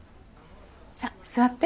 さ座って。